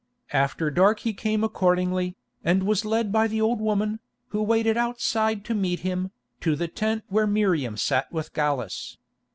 After dark he came accordingly, and was led by the old woman, who waited outside to meet him, to the tent where Miriam sat with Gallus.